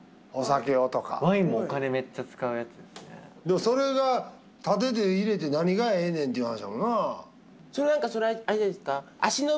でもそれが縦で入れて何がええねんっていう話やもんな。